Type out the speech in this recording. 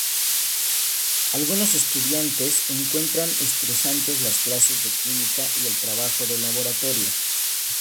Algunos estudiantes encuentran estresantes las clases de química y el trabajo de laboratorio.